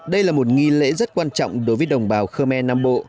đây là một nghi lễ rất quan trọng đối với đồng bào khơ me nam bộ